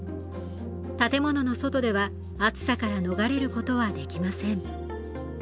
建物の外では暑さから逃れることはできません。